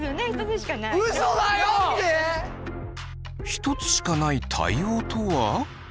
一つしかない対応とは？